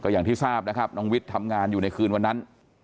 อย่างที่ทราบวิทย์ทำงานอยู่ในคืนวันนั้น